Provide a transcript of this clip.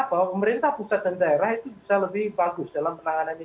bahwa pemerintah pusat dan daerah itu bisa lebih bagus dalam penanganan ini